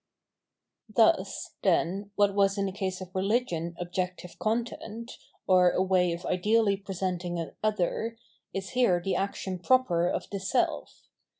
Thus, then, what was in the case of rehgion objective content, or a way of ideally presenting an other, is here the action proper of the self.